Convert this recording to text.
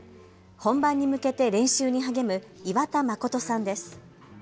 本番に向けて練習に励む岩田誠さんです。